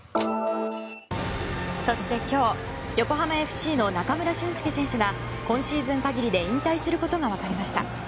そして今日横浜ＦＣの中村俊輔選手が今シーズン限りで引退することが分かりました。